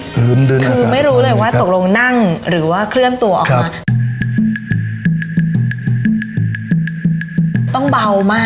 คือไม่รู้เลยว่าตกลงนั่งหรือว่าเคลื่อนตัวออกมา